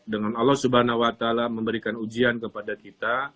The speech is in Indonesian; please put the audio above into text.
dengan allah subhanahu wa ta'ala memberikan ujian kepada kita